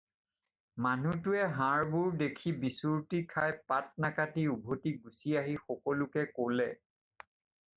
মানুহটোৱে হাড়বোৰ দেখি বিচুৰ্তি খাই পাত নাকাটি উভতি গুচি আহি সকলোকে ক'লে।